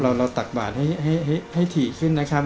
ตักบาทให้ถี่ขึ้นนะครับ